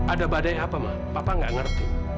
ada badai apa ma papa enggak ngerti